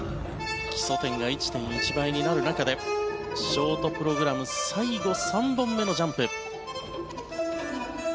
基礎点が１．１倍になる中でショートプログラム最後３本目のジャンプ。